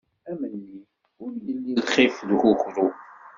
Af nnif ur illi lxif d ukukru.